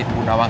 ini ada daun